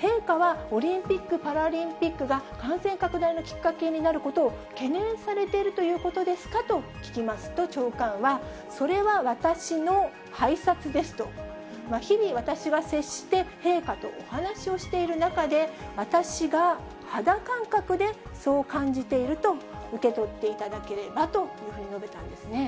陛下はオリンピック・パラリンピックが感染拡大のきっかけになることを懸念されているということですか？と聞きますと、長官は、それは私の拝察ですと。日々私は接して、陛下とお話しをしている中で、私が肌感覚でそう感じていると受け取っていただければというふうに述べたんですね。